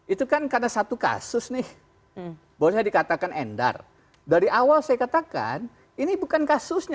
itu kan karena satu kasus nih boleh dikatakan endar dari awal saya katakan ini bukan kasusnya